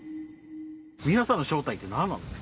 皆さんの正体ってなんなんですか？